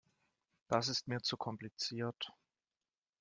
Das ist mir zu kompliziert.